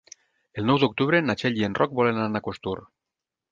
El nou d'octubre na Txell i en Roc volen anar a Costur.